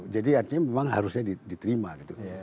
jadi artinya memang harusnya diterima gitu